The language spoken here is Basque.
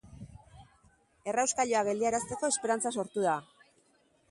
Errauskailua geldiarazteko esperantza sortu da.